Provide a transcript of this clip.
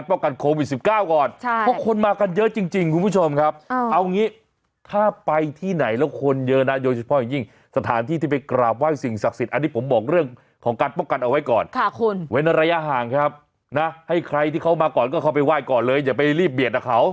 ไปกราบไหว้สิ่งศักดิ์สิทธิ์อันนี้ผมบอกเรื่องของการปกกันเอาไว้ก่อนค่ะคุณเว้นระยะห่างครับนะให้ใครที่เขามาก่อนก็เข้าไปไหว้ก่อนเลยอย่าไปรีบเบียดนะเขา